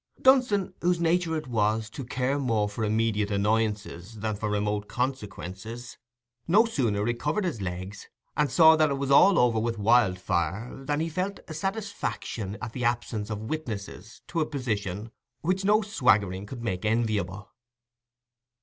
Dunstan, whose nature it was to care more for immediate annoyances than for remote consequences, no sooner recovered his legs, and saw that it was all over with Wildfire, than he felt a satisfaction at the absence of witnesses to a position which no swaggering could make enviable.